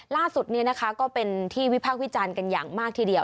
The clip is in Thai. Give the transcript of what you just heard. ล่าสุดนี้นะคะก็เป็นที่วิพากษ์วิจารณ์กันอย่างมากทีเดียว